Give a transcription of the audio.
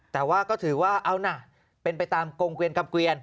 แต่ว่าก็ถือว่าเอานะเป็นไปตามกงเกวียนกำเกวียน